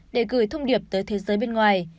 để gửi thông điệp tới thế giới bên ngoài